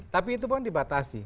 tapi itu pun dibatasi